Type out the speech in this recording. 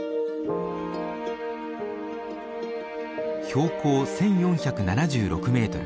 標高１，４７６メートル。